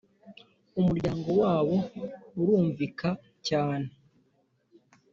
umuryango wabo urumvika cyane